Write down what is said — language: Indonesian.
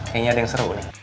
kayaknya ada yang seru nih